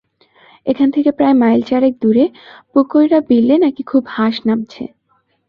এখান থেকে প্রায় মাইল চারেক দূরে পুকইরা বিলে নাকি খুব হাঁস নামছে।